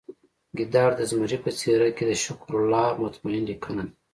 ګیدړ د زمري په څیره کې د شکرالله مطمین لیکنه ده